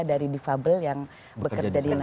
dari defable yang bekerja di nasa